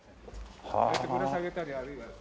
ああやってぶら下げたりあるいは。